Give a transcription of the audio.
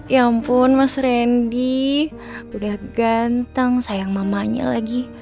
ya ampun mas randy udah ganteng sayang mamanya lagi